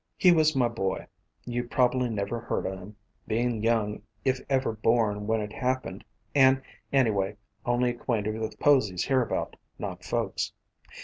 "He was my boy. You prob ably never heard o' him, being young if even born when it hap pened, and anyway, only acquainted with posies hereabout, not folks.